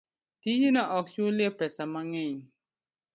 tijno ok chulye pesa mang'eny.